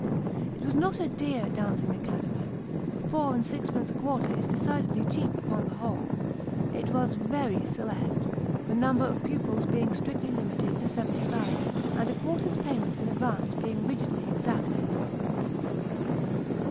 It was not a dear dancing academy four and sixpence a quarter is decidedly cheap upon the whole. It was very select, the number of pupils being strictly limited to seventy five, and a quarter's payment in advance being rigidly exacted.